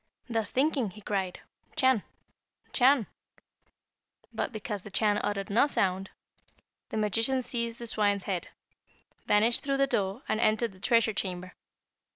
Thus thinking, he cried, 'Chan, Chan!' But because the Chan uttered no sound, the magician seized the swine's head, vanished through the door, and entered the treasure chamber.